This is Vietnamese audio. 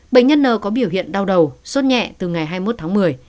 bệnh nhân n có biểu hiện đau đầu suốt nhẹ từ ngày hai mươi một tháng một mươi